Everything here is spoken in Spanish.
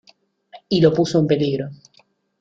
y lo puso en peligro.